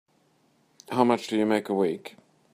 How much do you make a week?